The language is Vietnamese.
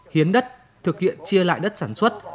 hiến đất thực hiện chia lại đất sản xuất